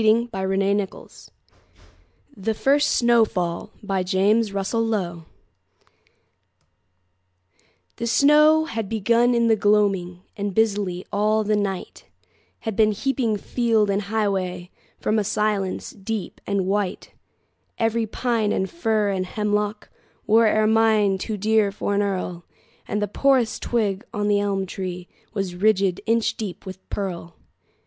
1900. By James RussellLowell 351 The First Snow Fall THE SNOW had begun in the gloaming, And busily all the nightHad been heaping field and highwayWith a silence deep and white. Every pine and fir and hemlockWore ermine too dear for an earl, And the poorest twig on the elm treeWas ridged inch deep with pearl.